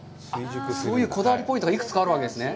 そういうこだわりポイントが幾つかあるんですね。